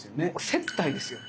接待ですよ。